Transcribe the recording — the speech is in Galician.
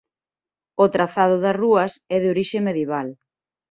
O trazado das rúas é de orixe medieval.